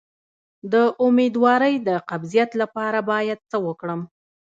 د امیدوارۍ د قبضیت لپاره باید څه وکړم؟